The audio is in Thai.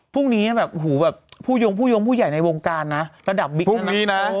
พรุ่งนี้ผู้โยงผู้ใหญ่ในวงการนะระดับบิ๊กนั้นนะ